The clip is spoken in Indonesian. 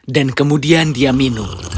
dan kemudian dia minum